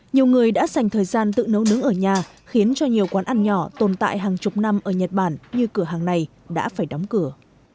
nhiều người đã dành thời gian tự nấu nướng ở nhà khiến cho nhiều quán ăn nhỏ tồn tại hàng chục năm ở nhật bản như cửa hàng này đã phải đóng cửa